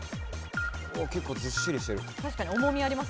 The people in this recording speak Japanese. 結構ずっしりしている。